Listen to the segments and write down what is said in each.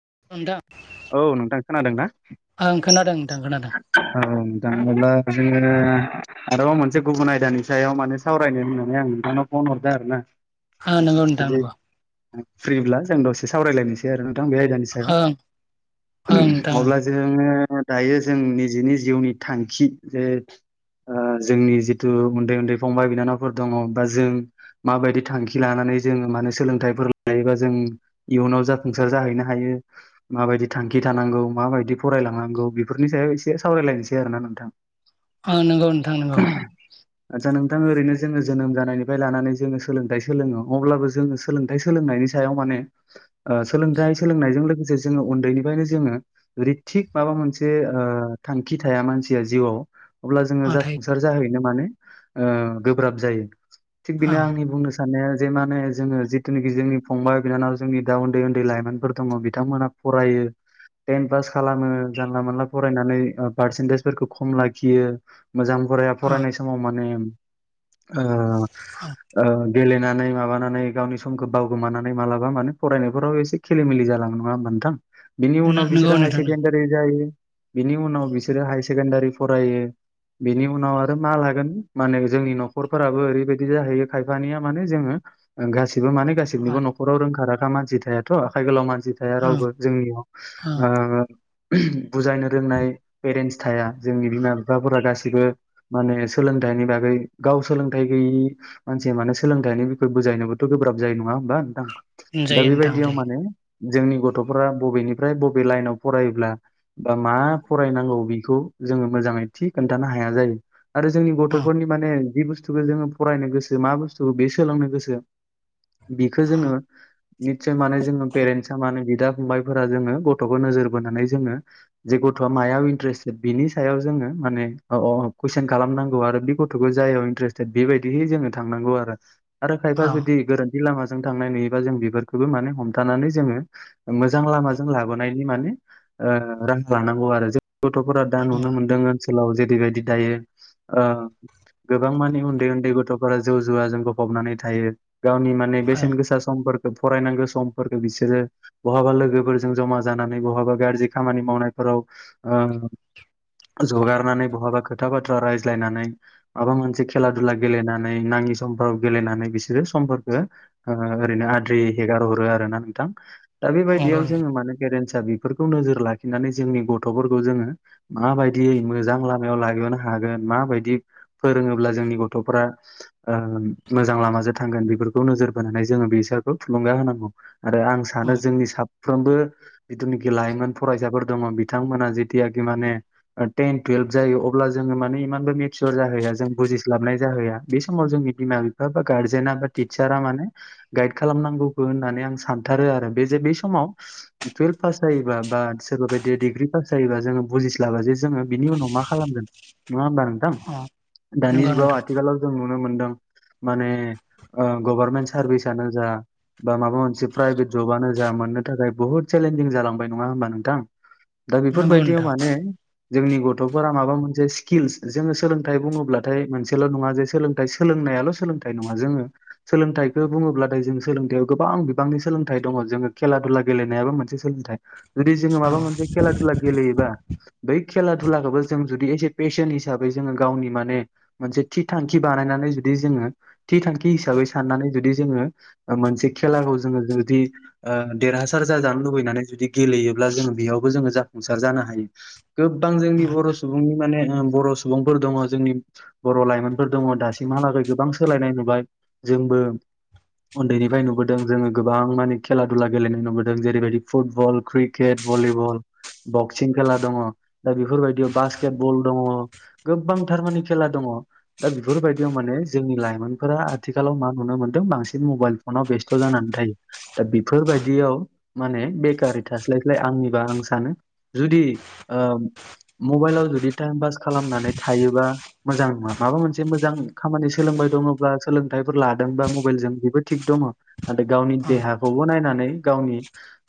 [inaudible] औ नोंथां खोनादों ना ओं खोनादों नोंथां खोनादों [unintelligible] आरोबाव मोनसे गुबुन आयदानि सायाव माने सावरायनो होननानै आं नोंथांनाव फन हरदों आरो ना आ नंगौ नोथां जुदि नंगौ फ्रिब्ला जों दसे सावरायलायनोसै आरो बे आयदानि सायाव ओं ओं नोंथां अब्ला जोङो दायो जों निजेनि जिउनि थांखि जे जोंनि जिथु उन्दै-उन्दै फंबाय बिनानावफोर दङ बा जों माबायदि थांखि लानानै जोङो माने सोलोंथाइफोर लायोबा जों इयुनाव जाफुंसार जाहैनो हायो माबायदि थांखि थानांगौ माबायदि फरायलांनांगौ बेफोरनि सायाव एसे सावरायलायनोसै आरोना नोंथां औ नंगौ नोंथां नंगौ आदसा नोंथां ओरैनो जोङो जोनोम जानायनिफ्राय लानानै जोङो सोलोंथाइ सोलोङो अब्लाबो जों सोलोंथाइ सोलोंनायनि सायाव माने सोलोंथाइ सोलोंनायजों लोगोसे जों उन्दैनिफ्रायनो जों आरो थिख माबा मोनसे एसे थांखि थाया मानसिया जिउआव अब्ला जोङो ओं थायो जाफुंसार जाहैनो माने गोब्राब जायो थिग बेनो ओं आंनि बुंनो साननाया जे माने जोङो जिथुनाखि जोंनि फंबाय बिनानाव जोंनि दा उन्दै-उन्दै लाइमोनफोर दङ बिथांमोनहा फरायो टेन पास खालामो जानला मोनला फरायनानै पारसेन्टेजफोरखौ खम लाखियो मोजां फराया ओं फरायनाय समाव माने ओं ओ-ओ गेलेनानै माबानानै गावनि समखौ बावगोमानानै मालाबा माने फरायनायफोराव एसे खले मेले जालाङो नङा होनबा नोंथां बिनि उनाव नंगौ बिसोर नोंथां हायकेखे जायो बिनि उनाव बिसोरो हाय सेकेणडारि फरायो बिनि उनाव आरो मा लागोन माने जोंनि नखरफोराबो ओरैबायदि जाहैयो खायफानिया माने जोङो गासिबो माने गासिबनिबो नखराव रोंखा राखा मानसि थायाथ' आखाइ गोलाव मानसि दि थाया ओं रावबो जोंनि ओ ओं बुजायनो रोंनाय एरेन्स थाया जोंनि बिमा बिफाफोरा गासिबो माने सोलोंथाइनि बागै गाव सोलोंथाइ गैयि मानसिया मानोे सोलोंथाइनि बिखय बुजायनोबोथ' गोब्राब जायो नङा होमबा नोंथां दा जायो नोंथां बेबायदियाव जायो माने जोंनि गथ'फोरा बबेनिफ्राय बबे लाइनाव फरायोब्ला बा मा फरायनांगौ बेखौ जोङो मोजाङै थि खोन्थानो हाया जायो आरो जोंनि ओं गथ'फोरनि माने जि बुस्थुखौ जोङो फरायनो गोसो मा बुस्थुखौ बे सोलोंनो गोसो बिखो जोङो निसय माने जोङो पेरेन्टसआ मानो बि बिदा फंबायफोरा जोङो गथ'खौ नोजोर बोनानै जोंङो जि गथ'आ मायाव इन्टारेस्टे बिनि सायाव जोङो माने अ अ कुइसन खालामनांगौ आरो बे गथ'खौ जायाव इन्टारेस्टे बेबायदिहै जोंङो थांनांगौ आरो खायफा ओं जुदि गोरोन थि लामाजों थांनाय नुयोबा जों बेफोरखौबो माने हमथानानै जोङो मोजां लामाजों लाबोनायनि माने ओ राहा लानांगौ आरो जों गथ'फोरा दा ओं नुनो मोनदों ओनसोलाव जेरैबायदि दायो ओ गोबां मानि उन्दै उन्दै गथ'फोरा जौ जुवा जों गफबनानै थायो गावनि माने बेसेन गोसा समफोर खौ फरायनांगौ समफोरखौ बिसोरो बहाबा लोगोफोरजों जमा जानानै बहाबा गारजि खामानि मावनायफोराव ओ जगारनानै बहाबा खोथा बाथ्रा रायज्लायनानै माबा मोनसे खेला दुला गेलेनानै नाङि समफोराव गेलेनानै बिसोरो समफोरखो ओ ओरैनो आद्रि हेगारहरो आरोना नोंथां दा नंगौ बेबायदियाव नोंथां जोङो माने गेरेन्सा बेफोरखौ नोजोर लाखिनानै जोंनि गथ'फोरखौ जोङो माबायदियै मोजां लामायाव लागनो हागोन माबायदि फोरोङोब्ला जोंनि गथ'फोरा ओ मोजां लामाजों थांगोन बेफोरखौ नोजोर बोनानै जों ओ बिसोरखौ थुलुंगा होनांगौ आरो आं सानो ओं जोंनि साफ्रोमबो जिथुनेखि लाइमोन फरायसाफोर दङ बिथांमोना जेतयाखि माने टेन टुयेल्भ जायो अब्ला जोङो माने इमानबो मिसर जाहैया जों बुजिस्लाबनाय जाहोया बे समाव जोंनि बिमा बिफा बा गार्जेना बा टिचारा माने गाइद खालामनांगौखौ होननानै आं सानथारो आरो बे जे बे समाव टुयेल्भ पास जायोबा बा सोरबा बायदि डिग्रि पास जायोबा जों बुजिस्लाबा जे जोंङो बिनि उनाव मा खालामनो नङा होमबा नोंथां दानि नंगौ जुगाव नोंथां आथिलाव जोङो नुनो मानोनदों माने ओ गभारमेन्ट सारभिसआनो जा बा माबा मोनसे प्राइभेट जबानो जोंहा मोननो थाखाय बुहुत चेलेन्जिं जालांबाय नङा होमबा नोंथां दा नंगौ बेफोरबायदियाव नोंथां माने जोंनि गथ'फोरा माबा मोनसे स्किल्स जोङो सोलोंथाइ बुङोब्लाथाय मोनसेल' नङा जे सोलोंथाइ सोलों नायाल' सोंथाइ नङा जोंङो सोंथाइखौ बुङोब्लाथाय जों सों गोबां बिबांनि सोलोंथाइ दङ जों खेला दुला गेलेनायाबो मोनसे सोलोंथाय जुदि जोङो ओं माबा मोनसे खेला दुला गेलेयोबा बै खेला धुलाखौबो जों जुदि एस ए पेसन हिसाबै जोङो गावनि माने मोनसे थि थांखि बानायनानै जुदि जोङो थि थांखि हिसाबै साननानै जुदि जोङो ओ मोनसे खेलाखौ जोंङो जुदि ओ देरहासार जाजानो लुबैनानै जुदि गेलेयोब्ला जोङो बेयावबो जोङो जाफुंसार जानो हायो गोबां जोंनि बर' सुबुंनि माने ओ बर' सुबुंफोर दङ जोंनि बर' लाइमोनफोर दङ दासिमहालागै गोबां सोलायनाय नुबाय जोंबो उन्दैनिफ्राय नुबोदों जोङो गोबां माने खेला दुला गेलेनाय नुबोदों जेरैबायदि फुटबल क्रिकेट भलिबल बक्सिं खेला दङ दा बेफोरबायदियाव बास्केट बल दङ गोबांथारमाने खेला दङ दङ दा बेफोरबायदियाव माने जोंनि लाइमोनफोरा आथिखालाव मा नुनो मोनदों बांसिन मबाइल फनाव बेस स्थ' जानानै थायो दा बेफोरबायदियाव माने बेकारै थास्लायस्लाय आंनिबा आं सानो जुदि ओ मबाइलाव जुदि टाइम पास खालामनानै थायोबा मोजां नङा माबा मोनसे मोजां खामानि सोलों हय दङब्ला सोलोंथाइफोर लादोंबा मबाइलजों बेबो थिग दङ नाथाय गावनि ओं देहाखौबो नायनानै गावनि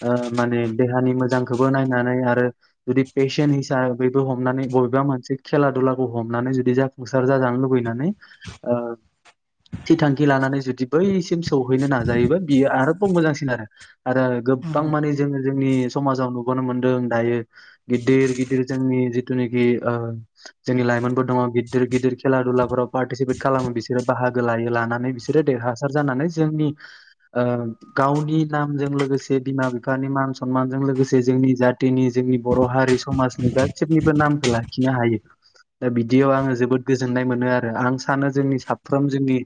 ओ माने देहानि मोजांखौबो नायनानै आरो जुदि पेशन हिसाबैबो हमनानै बबेबा मोनसे खेला दुलाखौ हमनानै जुदि जाफुंसार जाजानो लुबैनानै ओ थि थांखि लानानै जुदि बैसिम सौहैनो नाजायोबा बियो आरोबाव मोजांसिन आरो आरो ओं गोबां माने जोङो जोंनि समाजाव नुबोनो मोनदों दायो गिदिर गिदिर जोंनि जिथुनाखि ओ जोंनि लाइमोनफोर दङ गिदिर गिदिर खेला दुलाफोराव पार्टिसिपेट खालामो बिसोरो बाहागो लायो लानानै बिसोरो देरहासार जानानै जोंनि ओ गावनि नामजों लोगोसे बिमा बिफानि मान सनमानजों लोगोसे जोंनि जाथिनि जोंनि बर' हारि समाजनि गासिबनिबो नामखौ लाखिनो हायो। दा बिदियाव आङो जोबोद गोजोननाय मोनो आरो आं सानो जोंनि साफ्रोम जोंनि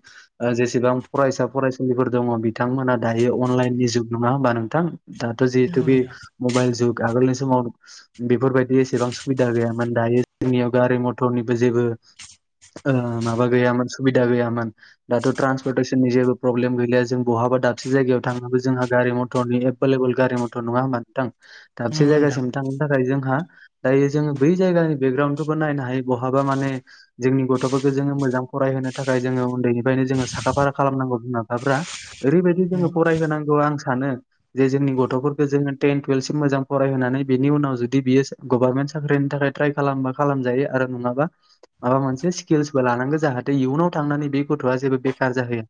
ओ जेसेबां फरायसा फरायसुलिफोर दङ बिथांमोना दायो अनलाइननि जुग नङा होमबा नोंथां दाथ' जि नंगौ थुकि नोंथां मबाइल जुग आगोलनि समाव बेफोरबायदि एसेबां सुबिदा गैयामोन दायो जोंनियाव गारि मथरनिबो जेबो ओ माबा गैयामोन सुबिदा गैयामोन दाथ' ट्रन्सपर्टेसननि जेबो प्रब्लेम गैलिया जों बहा बा दाबसे जायगायाव थांनोबो जोंहा गारि मथरनि एभेलेबेल गारि मट टर नङा होमबा नोंथां दाबसे नंगौ नोंथां जायगासिम थांनो था खाय जोंहा दायो जोङो बै जायगानि बेकग्राउखौबो नायनो हायो बहाबा माने जोंनि गथ'फोरखौ जोङो मोजां फराय होनो थाखाय जोङो उन्दैनिफ्रायनो जोङो साखाफारा खालामनांगौ बिमा बिफाफ्रा ओरैबायदि नंगौ नोंथां नंगौ जोङो फराय होनांगौ आं सानो जे जोंनि गथ'फोर खौ जोङो टेन टुवेल्भसिम मोजां फरायहोनानै बेनि उनाव जुदि बियो सो गभार्नमेन्ट साख्रिनि थाखाय ट्राइ खालामनोबा खालाम जायो आरो नङा बा माबा मोनसे स्किलस बो लानांगौ जाहाथे इउनाव थांनानै बे गथ'आ जेबो बेखार जाहैया।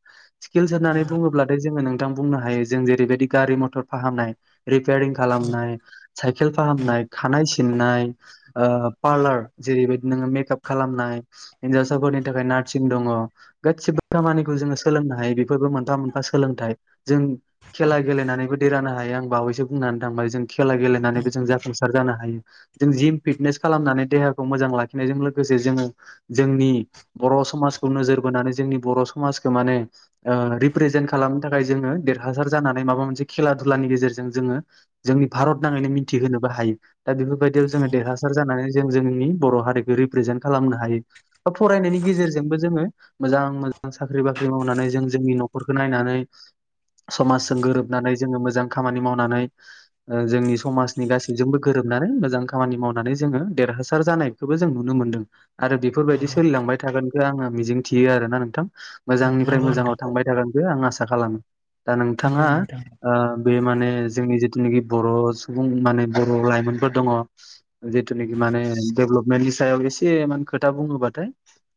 स्किलस होननानै बुङोब्लाथाय जोङो नोंथां बुंनो हायो जों जेरैबायदि गारि मथर फाहामनाय रिपेयारिं खालामनाय साइकेल फाहामनाय खानाय सिननाय ओ पार्लार जेरैबायदि नोङो मेकप खालामनाय हिनजावसाफोरनि थाखाय नारसिं दङ गासिबो खामानिखौ जों ङो सोलोंनो हायो बेफोरबो मोनफा मोनफा सोलोंथाइ जों खेला गेलेनानैबो देरहानो हायो आं बावै सो बुंनानै थांबाय जों खेला गेलेनानैबो जों जाफुंसार जानो हायो जों जिम फिटनेस खालामनानै देखौ मो जां लाखिनायजों लोगोसे जोङो जोंनि बर' समाजखौ नोजोर बोनानै जोंनि बर' समाजखौ माने ओ रिप्रेजेन्ट खालामनो थाखाय जोङो देरहासार जानानै माबा मोनसे खेला दुलानि गेजेरजों जोङो जोंनि भारत नाङैनो मिथिहोनोबो हायो। दा बेफोरबायदियाव जोङो देरहासार जानानै जों जोंनि बर' हारिखौ रिप्रेजेन्ट खालामनो हायो। बा फरायनायनि गेजेरजोंबो जोङो मोजां मोजां साख्रि बाख्रि मावनानै जों जोंनि न'खरखौ नायनानै समाजजों गोरोबनानै जोङो मोजां खामानि माव नानै ओ जोंनि समाजनि गासैजोंबो गोरोबनानै मोजां खामानि मावनानै जोङो देरहासार जा नायखौबो जों नुनो मोनदों आरो नोंथां बेफोरबायदि सोलिलांबाय थागोनखो आङो मिजिं थियो आरोना नोंथां। मोजांनिफ्राय मोजाङाव थांबाय थागोनखो आं आसा खालामो। दा नोंथाङा नंगौ नोंथां ओ बे माने जिथुनेखि बर' सुबुं माने बर' लाइमोनफोर दङ जिथुनेखि माने डेभेलपमे मेन्टनि सायाव एसे मान खोथा बुङोबाथाय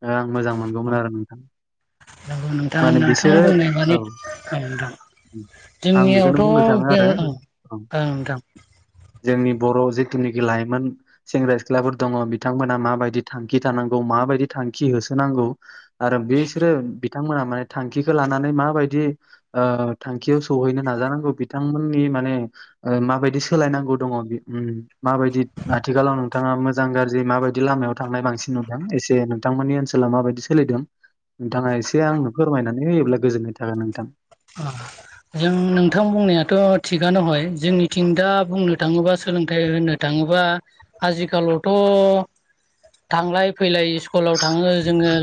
ओ आं मोजां मोनगौमोन आरो नोंथां। नोंगौ नोंथां माने नोंथां बिसोरो बुंनाय मानि औ नोंथां । आं बेखौनो बुंनो सानो जोंनियावथ' बे आरो ओं औ ओं नोंथां। जोंनि बर' जिथुनाखि लाइमोन सेंग्रा सिख्लाफोर दङ बिथांमोनहा माबायदि थांखि थानांगौ माबायदि थांखि होसोनांगौ आरो बेसोरो बिथांमोना माने थांखिखौ लानानै माबायदि ओ थांखियाव सौहैनो नाजानांगौ बिथांमोननि मा ने ओ माबायदि सोलायनांगौ दङ बि उम माबादि आथिखालाव नोंथाङा मोजां गारजि माबायदि लामायाव थांनाय बांसिन नुदों एसे नोंथांमोननि ओनसोला माबायदि सोलिदों? नोंथाङा एसे आंनो फोरमायनानै होयोब्ला गोजोननाय थागोन नोंथां। अ। जों नोंथां बुंनायाथ' थिगानो हय जोंनिथिं दा बुंनो थाङोबा सोलोंथाइ होननो थां थाङोबा आजिखालावथ' थांलाय फैलाय स्कुलाव थाङो जोङो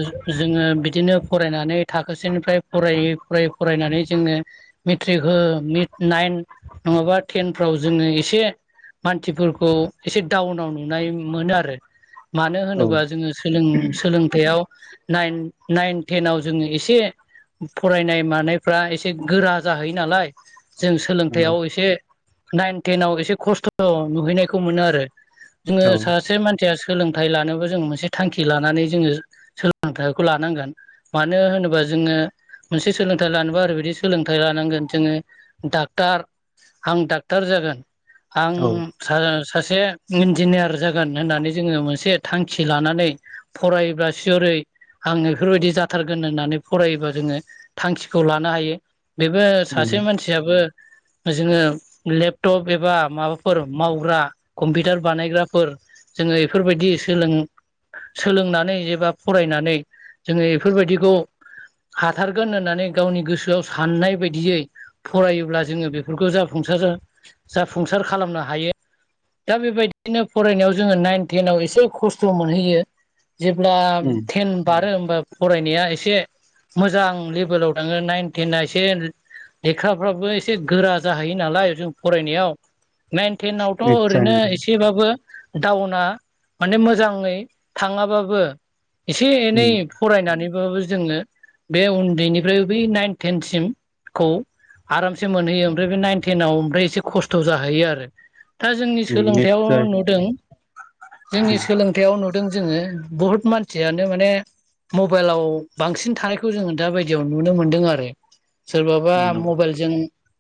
जोङो बिदिनो फरायनानै थाखोसिनिफ्राय फाय फरायै फरायै फरायनानै जोंनो मेट्रिक हो निथ नाइन नङाबा टेनफ्राव जोङो एसे मानसिफोरखौ एसे डाउनाव नुनाय मोनो आरो। मानो औ होनोबा जोङो सोलों-सोलोंथायाव नायन नायन टेनाव जोङो एसे फरायनाय मानायफ्रा एसे गोरा जाहैयो नालाय जों नंगौ सोलोंथाइयाव एसे नाइन टेनाव एसे खस्थ' नुहैनायखौ मोनो आरो। जोङो औ सासे मानसिया सोलोंथाइ लानोबो जोङो मोनसे थांखि लानानै जोङो सोलोंथाइखौ लानांगोन। मानो होनोबा जों जोङो मोनसे सोलोंथाइ लानोबा आरैबिदि सोलों थाय लानांगोन। जोङो डाक्टार आं डाक्टार जागोन। आं औ सा-सासे इन्जिनियार जागोन होननानै जोङो मोनसे थांखि लानानै फरायोब्ला सिअ'रै आङो बेफोरबायदि जाथारगोन होननानै फरायोबा जोङो थांखिखौ लानो हायो। बेबो सासे नंगौ मानसियाबो जोङो लेपटप एबा माबाफोर मावग्रा कम्पिउटार बानायग्राफोर जोङो एफोरबायदि सोलों सोलोंनानै एबा फरायनानै जोङो एफोरबायदिखौ हाथारगोन होननानै गावनि गोसोआव साननाय बायदियै फरायोब्ला जोङो बेफोरखौ जाफुंसार जाफुंसार खालामनो हायो। दा बेबायदिनो फरायनायाव जोङो नाइन टेनाव एसे खस्थ' मोनहैयो। जेब्ला थेन बारो होमबा फरायनाया एसे मोजां लेभेलाव नोङो नाइन टेेनआ एसे लेखाराफ्राबो एसे गोरा जाहैयो नालाय जों फरायनायाव। नायन टेनावथ' निस्सय ओरैनो एसेबाबो डाउना माने मोजाङै थाङाबाबो एसे एनै नोंथां फरायनानैबाबो जोङो बे उन्दैनिफ्राय बै नाइन थेनसिमखौ आरामसे मोनहैयो ओमफ्राय बे नाइनटेनाव ओमफ्राय एसे खस्थ' जाहैयो आरो। दा जोंनि सोलोंथायाव निस्सय नुदों। जोंनि सोलोंथाययाव नुद दों जोङो बुहुत मानसियानो माने मबाइलाव बांसिन थानायखौ जोङो दा बायदियाव नुनो मोनदों आरो। सोरबाबा मबाइलजों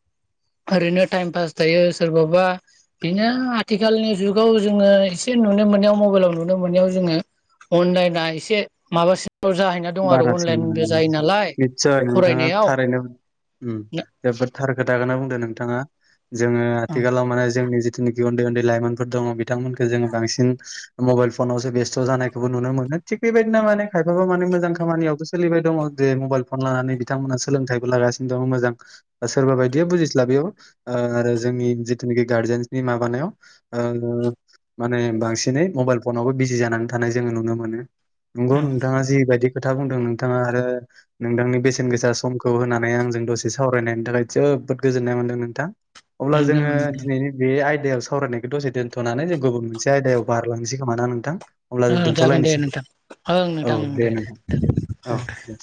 [inaudible] ओरैनो टाइम पास थायो। सोरबाबा बिनो आथिखालनि जुगाव जोङो एसे नुनो नो मोनायाव मेलाव नुनो मोनायाव जोङो अनलाइन आ एसे माबा फोर जाहैना दं आरो बारासिन अनलाइनबो मोनो जायो नालाय निस्सय नोंथाङा फरायनायाव। थारैनो उम जोबोद थारखोथाखौनो बुंदों नोंथाङा। जोङो ओं आथिखालाव माने जोंनि जिनाखि उन्दै उन्दै लाइमोनफोर दङ बिथांमोनखौ जोङो बांसिन मबाइल फनावसो बेस्थ' जानायखौबो नुनो मोनो। ओ थिग बेबायदिनो मे खायबाब मान मोज जां खामानियावथ' सोलिबाय दं जे मबेन फन लानानै बिथां मोना सोलोंथायबो लागासिनो‌ दं। मोजां सोरबाबा बायदि बुजिस्ला बैयाव ओ जोंनि जिथुनाखि गारजेनसनि माबानायाव ओ माने बांसिनै मबाइल फनावबो बिजि जानानै थानाय जोङो नुनो मोनो। नंगौ नोंथाङा जिबायदि खोथा बुंदों नोंथाङा आरो नोंथांनि बेसेन गोसा समखौ होनानै आंजों दसे सावरायनायनि थाखाय जोब जोबोद गोजोन्नाय मोनदों नोंथां अब्ला ओं नोंथां जोङो नोंथां दिनैनि बे आयद आयदायाव सावरायनायखौ दसे दोन्थ'नानै जों गुबुन मोनसे आयदायाव बारलांसै खोमा नोंथां? हब्ला जों जागोन दे दोनथ'लायनोसै नोंथां ओं औ नोंथां दे नोंथां। औ दे।